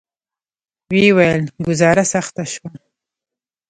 ویې ویل: ګوزاره سخته شوه.